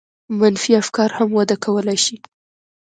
منفي افکار هم وده کولای شي.